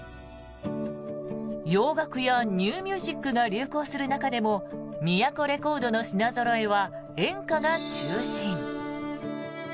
洋楽やニューミュージックが流行する中でもミヤコレコードの品ぞろえは演歌が中心。